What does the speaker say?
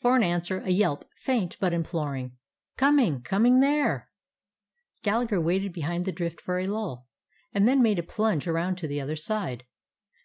For an answer, a yelp, faint but imploring. "Coming, coming there!" Gallagher waited behind the drift for a lull, and then made a plunge around to the other side.